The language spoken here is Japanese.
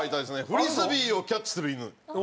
フリスビーをキャッチする犬。